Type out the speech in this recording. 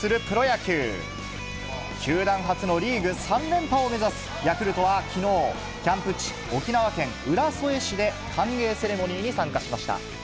球団初のリーグ３連覇を目指すヤクルトはきのう、キャンプ地、沖縄県浦添市で歓迎セレモニーに参加しました。